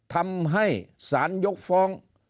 ทำให้สารยกฟ้อง